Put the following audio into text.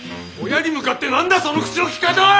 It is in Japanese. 親に向かって何だその口の利き方は！